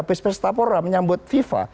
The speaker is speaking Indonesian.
pes pes tapora menyambut fifa